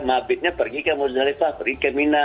mabitnya pergi ke mozalifah pergi ke mina